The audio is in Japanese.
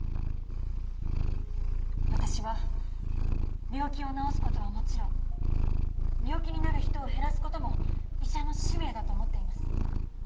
私は病気を治す事はもちろん病気になる人を減らす事も医者の使命だと思っています。